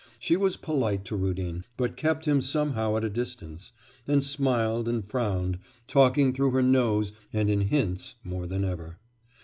She was polite to Rudin, but kept him somehow at a distance, and smiled and frowned, talking through her nose, and in hints more than ever.